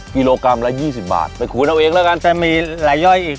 กิโลกรัมละ๒๐บาทไปคูณเอาเองแล้วกันแต่มีลายย่อยอีก